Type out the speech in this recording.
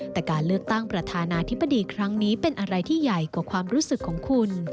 แต่การเลือกตั้งประธานาธิบดีครั้งนี้เป็นอะไรที่ใหญ่กว่าความรู้สึกของคุณ